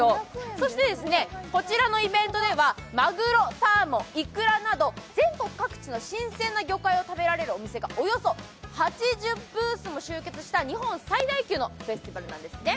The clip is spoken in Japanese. そしてこちらのイベントではマグロ、サーモン、いくらなど、全国各地の新鮮な魚介を食べられるお店がおよそ８０ブースも出店した日本最大級のフェスティバルなんですね。